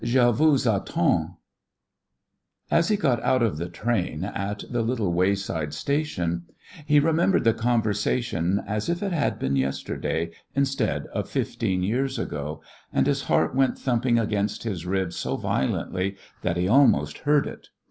Je vous attends._" As he got out of the train at the little wayside station he remembered the conversation as if it had been yesterday, instead of fifteen years ago and his heart went thumping against his ribs so violently that he almost heard it.